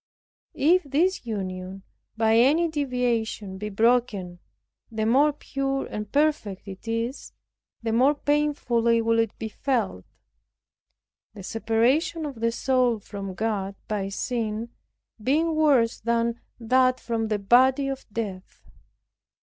If this union by any deviation be broken, the more pure and perfect it is, the more painfully will it be felt; the separation of the soul from God by sin being worse than that from the body of death.